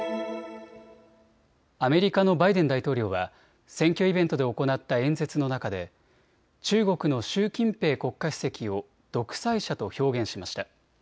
アメリカのバイデン大統領は選挙イベントで行った演説の中で中国の習近平国家主席を独裁者と表現しました。